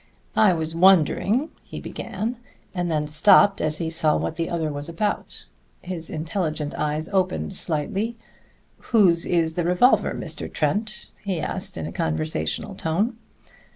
"I was wondering" he began; then stopped as he saw what the other was about. His intelligent eyes opened slightly. "Whose is the revolver, Mr. Trent?" he asked in a conversational tone.